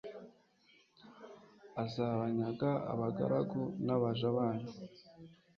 azabanyaga abagaragu n'abaja banyu